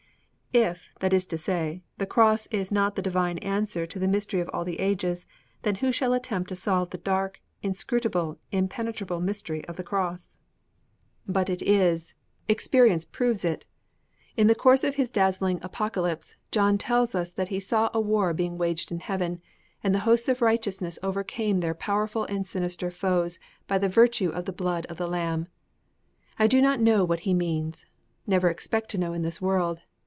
If, that is to say, the Cross is not the divine answer to the mystery of all the ages, then who shall attempt to solve the dark, inscrutable, impenetrable mystery of the Cross? V But it is! Experience proves it! In the course of his dazzling Apocalypse, John tells us that he saw a war being waged in heaven; and the hosts of righteousness overcame their powerful and sinister foes by the virtue of the blood of the Lamb. I do not know what he means never expect to know in this world.